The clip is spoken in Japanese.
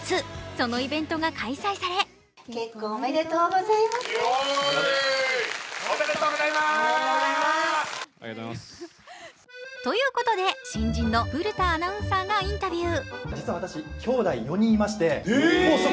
そのイベントが開催されということで新人の古田アナウンサーがインタビュー。